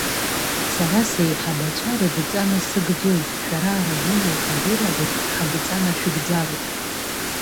Сара сеиҳабацәа рыдҵа насыгӡоит, шәара араион аиҳабыра ҳадҵа нашәыгӡароуп!